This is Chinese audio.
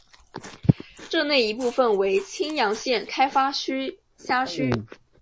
镇内一部分为青阳县开发区辖区。